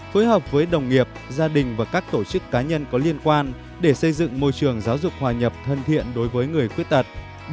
phối hợp với đồng nghiệp gia đình và các tổ chức cá nhân có liên quan để xây dựng môi trường giáo dục hòa nhập thân thiện đối với người khuyết tật